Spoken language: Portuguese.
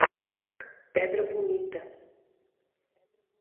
Pedra Bonita